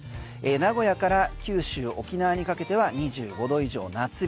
名古屋から九州、沖縄にかけては２５度以上、夏日。